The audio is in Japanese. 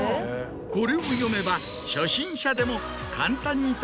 これを読めば初心者でも。